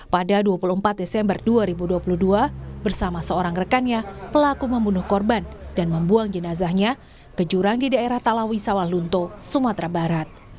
pada dua puluh empat desember dua ribu dua puluh dua bersama seorang rekannya pelaku membunuh korban dan membuang jenazahnya ke jurang di daerah talawi sawalunto sumatera barat